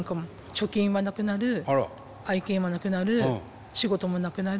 貯金はなくなる愛犬も亡くなる仕事もなくなる。